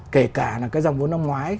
kể cả là cái dòng vốn năm ngoái